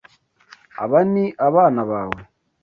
Aba ni abana bawe?